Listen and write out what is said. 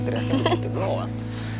teriaknya begitu doang